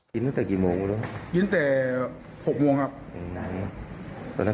กินตั้งแต่กี่โมงหรือรึเปล่า